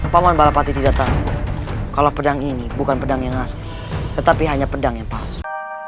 paman balapati tidak tahu kalau pedang ini bukan pedang yang khas tetapi hanya pedang yang palsu